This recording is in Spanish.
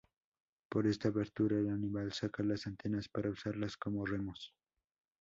Por esta abertura el animal saca las antenas para usarlas como remos.